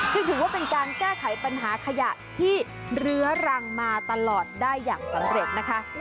ถือว่าเป็นการแก้ไขปัญหาขยะที่เรื้อรังมาตลอดได้อย่างสำเร็จนะคะ